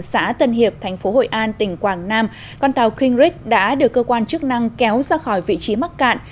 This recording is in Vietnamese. xã tân hiệp tp hội an tỉnh quảng nam con tàu kingrix đã được cơ quan chức năng kéo ra khỏi vị trí mắc cạn